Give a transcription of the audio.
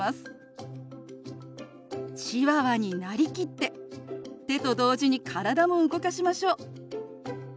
チワワになりきって手と同時に体も動かしましょう。